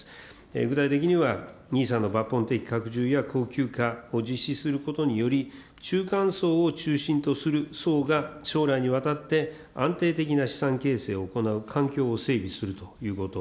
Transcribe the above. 具体的には、ＮＩＳＡの抜本的拡充や、恒久化を実施することにより、中間層を中心とする層が将来にわたって、安定的な資産形成を行う環境を整備するということ。